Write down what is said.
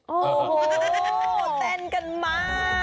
โอ้โหเต้นกันมาก